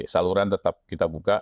saluran tetap kita buka